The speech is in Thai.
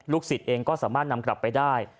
สิทธิ์เองก็สามารถนำกลับไปได้